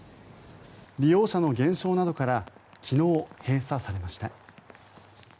利用者の減少などから昨日、閉鎖されました。